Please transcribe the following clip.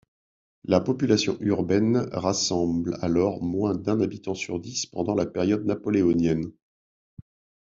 La population urbaine rassemble alors moins d'un habitant sur dix pendant la période napoléonienne.